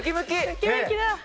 ムキムキだ！